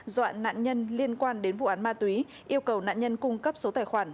dọa nạn nhân liên quan đến vụ án ma túy yêu cầu nạn nhân cung cấp số tài khoản